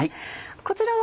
こちらは。